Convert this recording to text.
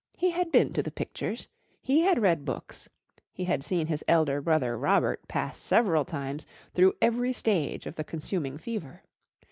He had been to the pictures. He had read books. He had seen his elder brother Robert pass several times through every stage of the consuming fever.